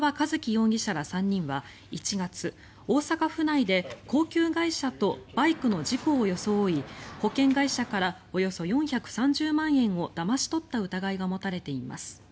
容疑者ら３人は１月、大阪府内で高級外車とバイクの事故を装い保険会社からおよそ４３０万円をだまし取った疑いが持たれています。